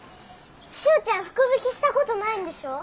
しおちゃん福引きしたことないんでしょ？